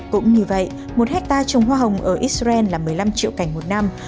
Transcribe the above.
cũng như vậy một hectare trồng hoa hồng ở israel là một mươi năm triệu cành một năm